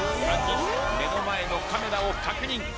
さあ３人目の前のカメラを確認。